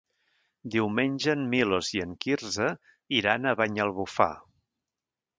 Diumenge en Milos i en Quirze iran a Banyalbufar.